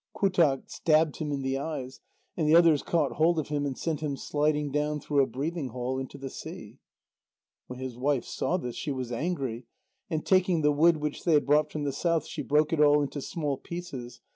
Qautaq stabbed him in the eyes, and the others caught hold of him and sent him sliding down through a breathing hole into the sea. When his wife saw this, she was angry, and taking the wood which they had brought from the south, she broke it all into small pieces.